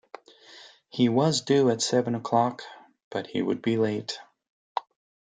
He was due at seven o’clock, but he would be late.